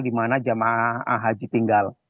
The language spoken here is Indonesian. di mana jemaah haji tinggal